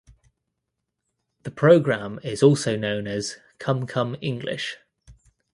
The program is also known as "Come Come English".